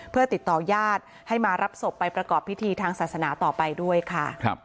เพื่อติดต่อญาติให้มารับศพไปประกอบพิธีทางศาสนาต่อไปด้วยค่ะ